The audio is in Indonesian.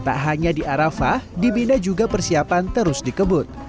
tak hanya di arafah dibina juga persiapan terus dikebut